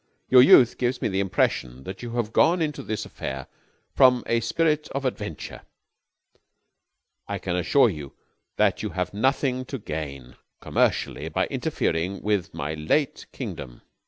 Your youth gives me the impression that you have gone into this affair from a spirit of adventure. I can assure you that you have nothing to gain commercially by interfering with my late kingdom.